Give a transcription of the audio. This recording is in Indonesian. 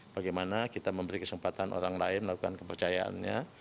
bagaimana kita memberi kesempatan orang lain melakukan kepercayaannya